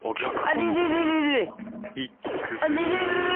あれれれ。